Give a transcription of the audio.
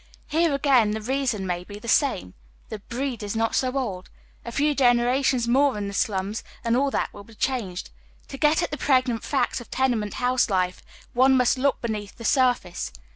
Here again the reason may be the same: the breed is not so old. A few generations more in the alums, and all that will be changed. To get at the pregnant facts of tenement house life one must look beneath the surface.